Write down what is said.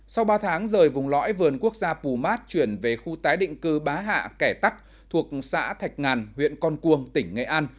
sau ba tháng rời vùng lõi vườn quốc gia pù mát chuyển về khu tái định cư bá hạ kẻ tắc thuộc xã thạch ngàn huyện con cuông tỉnh nghệ an